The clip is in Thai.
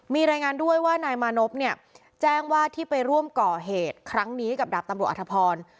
มีรายงานด้วยว่านายมานพเนี่ยแจ้งว่าที่ไปร่วมก่อเหตุครั้งนี้กับดาบตำรวจอธพร